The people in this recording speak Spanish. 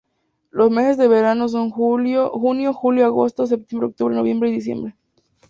Los meses de verano son junio, julio, agosto septiembre octubre, noviembre y diciembre.